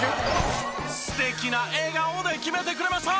素敵な笑顔で決めてくれました！